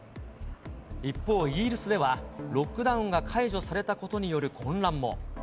一方、イギリスではロックダウンが解除されたことによる混乱も。